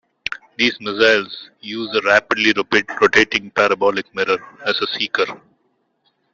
These missiles use a rapidly rotating parabolic mirror as a seeker.